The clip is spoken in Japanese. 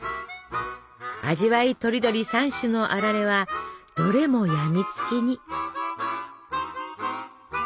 味わいとりどり３種のあられはどれも病みつきに。